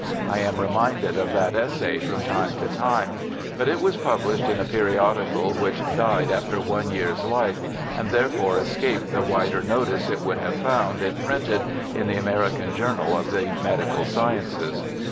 I am reminded of that essay froni time to time, but it was published in a peri odical which died after one year's life, and therefore escaped the wider notice it would have found if printed in the Aynerican Journal of the Medical Sciences.